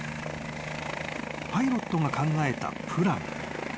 ［パイロットが考えたプラン。